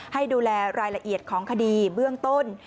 ให้ดูแลรายละเอียดของคดีเบื้องต้น